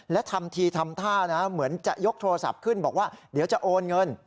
และทำทีทำท่านะเหมือนจะยกโทรศัพท์ขึ้นบอกว่าเดี๋ยวจะโอนเงิน